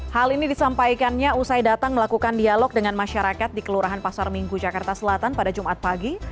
hal ini disampaikannya usai datang melakukan dialog dengan masyarakat di kelurahan pasar minggu jakarta selatan pada jumat pagi